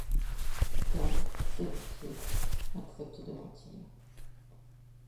Tom, terrifié, accepte de mentir...